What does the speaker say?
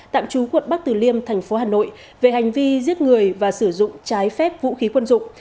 tạm trú quận bắc tử liêm thành phố hà nội về hành vi giết người và sử dụng trái phép vũ khí quân dụng